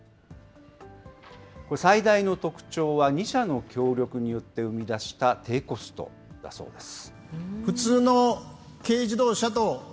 これ、最大の特徴は、２社の協力によって生み出した低コストだそうです。